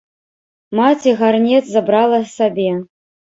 Маці гарнец забрала сабе.